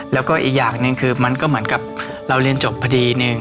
แล้วก็อีกอย่างหนึ่งคือมันก็เหมือนกับเราเรียนจบพอดีนึง